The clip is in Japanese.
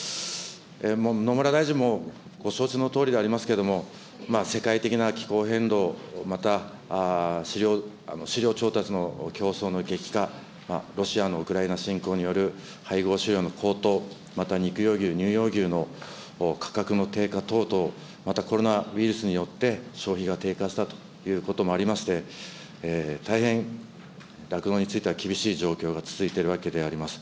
野村大臣もご承知のとおりでありますけれども、世界的な気候変動、また飼料調達の競争の激化、ロシアのウクライナ侵攻による配合飼料の高騰、また肉用牛、乳用牛の価格の低下等々、またコロナウイルスによって消費が低下したということもありまして、大変酪農については厳しい状況が続いているわけであります。